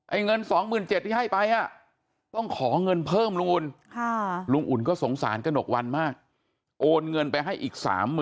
เงิน๒๗๐๐ที่ให้ไปอ่ะต้องขอเงินเพิ่มลุงอุ่นลุงอุ่นก็สงสารกระหนกวันมากโอนเงินไปให้อีก๓๐๐๐